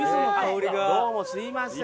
どうもすいません。